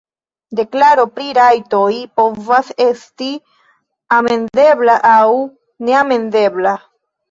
Deklaro pri rajtoj povas esti "amendebla" aŭ "neamendebla".